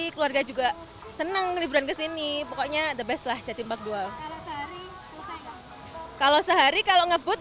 keluarga juga senang liburan kesini pokoknya the best lah jatim bakdual kalau sehari selesai kalau sehari kalau ngebut